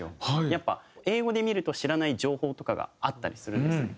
やっぱ英語で見ると知らない情報とかがあったりするんですね。